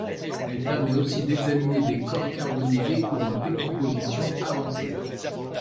Elle permet aussi d'examiner des corps carbonisés ou en décomposition avancée.